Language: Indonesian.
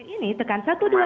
ini tekan satu dua